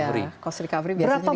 ya cost recovery biasanya dipakai